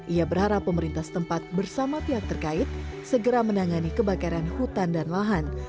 ia berharap pemerintah setempat bersama pihak terkait segera menangani kebakaran hutan dan lahan